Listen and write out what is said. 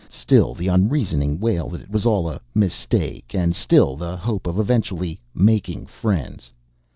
Still the unreasoning wail that it was all a "mistake"; and still the hope of eventually "making friends."